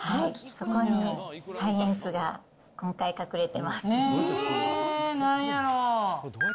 そこにサイエンスが、今回隠なんやろう。